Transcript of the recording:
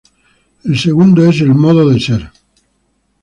El segundo es el modo ser.